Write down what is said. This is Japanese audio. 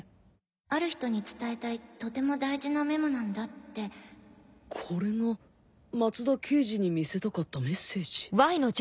「ある人に伝えたいとても大事なメモなこれが松田刑事に見せたかったメッセージ？